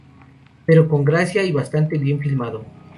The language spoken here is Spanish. Pero con gracia, y bastante bien filmado".